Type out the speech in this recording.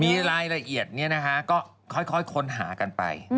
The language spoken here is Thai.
มีรายละเอียดก็ค่อยค้นหากันไป